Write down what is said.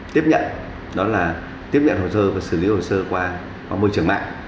tiếp nhận đó là tiếp nhận hồ sơ và xử lý hồ sơ qua môi trường mạng